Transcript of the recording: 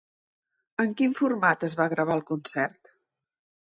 En quin format es va gravar el concert?